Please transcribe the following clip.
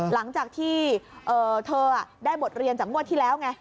หลังจากที่เธอได้บทเรียนจากงวดที่แล้วไง